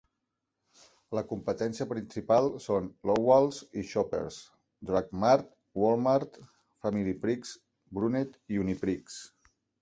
La competència principal són Loblaws i Shoppers Drug Mart, Wal-Mart, Familiprix, Brunet i Uniprix.